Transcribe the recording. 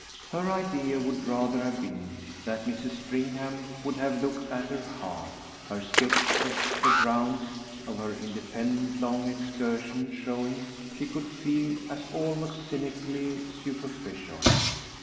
Her idea would rather have been that Mrs. Stringham would have looked at her hard her sketch of the grounds of her independent long excursion showing, she could feel, as almost cynically superficial.